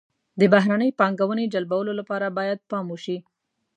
د بهرنۍ پانګونې جلبولو لپاره باید پام وشي.